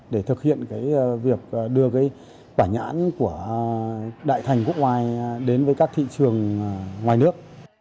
để thực hiện việc đưa quả nhãn của đại thành quốc ngoài đến với các thị trường ngoài nước